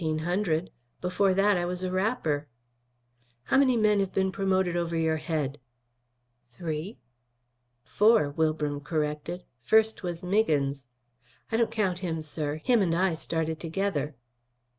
Before that I was a wrapper." "How many men have been promoted over your head?" "Three." "Four," Wilbram corrected. "First was Miggins." "I don't count him, sir. Him and I started together."